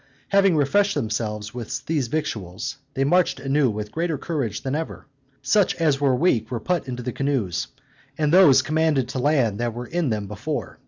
Having refreshed themselves with these victuals, they marched anew with greater courage then ever. Such as were weak were put into the canoes, and those commanded to land that were in them before.